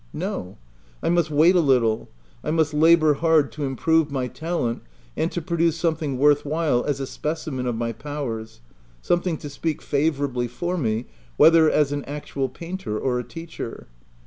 No ; I must wait a little ; I must labour hard to im prove my talent and to produce something worth while as a specimen of my powers, some thing to speak favourably for me, whether as an actual painter or a teacher.